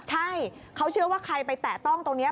ใช่เขาเชื่อว่าใครไปแตะต้องตรงนี้